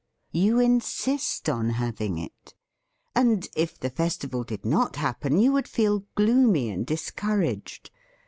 You insist on having it. And, if the festival did not happen, you would feel gloomy and discouraged.